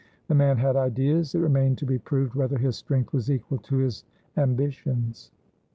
The man had ideas: it remained to be proved whether his strength was equal to his ambitions.